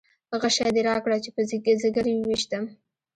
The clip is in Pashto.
غشی دې راکړه چې په ځګر یې وویشتم.